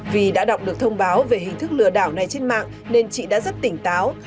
vì đã đọc được thông báo về hình thức lừa đảo này trên mạng nên chị đã rất tỉnh táo